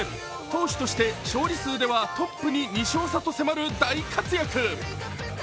投手として勝利数にトップに２勝差と迫る大活躍。